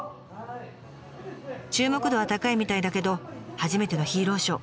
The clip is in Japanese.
注目度は高いみたいだけど初めてのヒーローショー